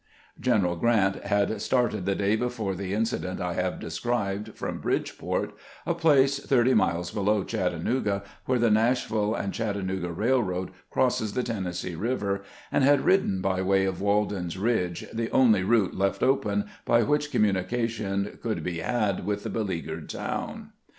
Greneral Grant had started, the day before the inci dent I have described, from Bridgeport, a place thirty miles below Chattanooga, where the Nashville and Chattanooga EaUroad crosses the Tennessee Eiver, and had ridden by way of Walden's Ridge, the only route left open by which communication could be had with the beleaguered town.